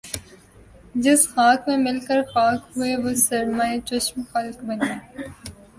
جس خاک میں مل کر خاک ہوئے وہ سرمۂ چشم خلق بنی